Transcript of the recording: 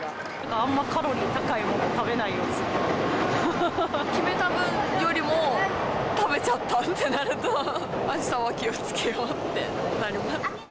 あんまカロリー高いものは食決めた分よりも食べちゃったってなると、あしたは気をつけようってなります。